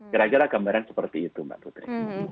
kira kira gambaran seperti itu mbak putri